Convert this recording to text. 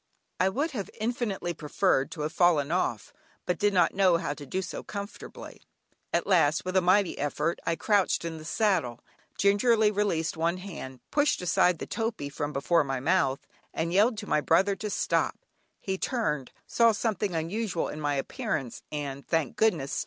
I would have infinitely preferred to have fallen off, but did not know how to do so comfortably. At last, with a mighty effort I crouched in the saddle, gingerly released one hand, pushed aside the topee from before my mouth, and yelled to my brother to stop. He turned, saw something unusual in my appearance, and, thank goodness!